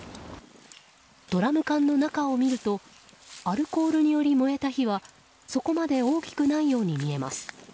ドラム缶の中を見るとアルコールにより燃えた火はそこまで大きくないように見えます。